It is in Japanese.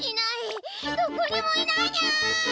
どこにもいないにゃあ！